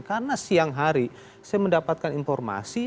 karena siang hari saya mendapatkan informasi